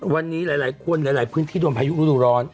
วันนี้หลายคนหลายพื้นที่โดนพายุฤดูร้อน